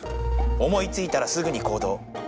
思いついたらすぐにこうどう。